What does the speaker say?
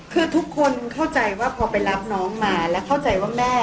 คือทุกคนเข้าใจว่าพอไปรับน้องมาแล้วเข้าใจว่าแม่